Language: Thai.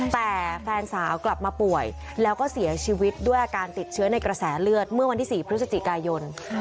แต่แฟนสาวกลับมาป่วยแล้วก็เสียชีวิตด้วยอาการติดเชื้อในกระแสเลือดเมื่อวันที่๔พฤศจิกายน